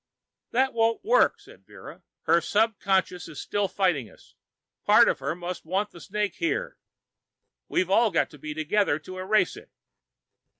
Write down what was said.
"That won't work," said Vera. "Her subconscious is still fighting us. Part of her must want the snake here. We've all got to be together to erase it."